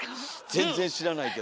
全然知らないけど。